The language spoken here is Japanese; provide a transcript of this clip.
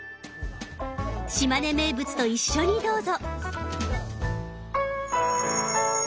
島根名物と一緒にどうぞ！